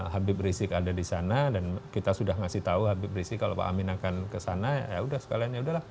habib rizik ada di sana dan kita sudah ngasih tahu habib rizik kalau pak amin akan kesana ya udah sekalian ya udahlah